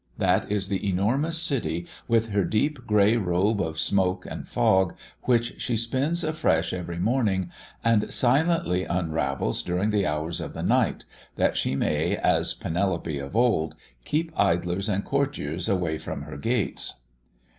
That is the enormous city with her deep grey robe of smoke and fog, which she spins afresh every morning, and silently unravels during the hours of the night, that she may, as Penelope of old, keep idlers and courtiers away from her gates.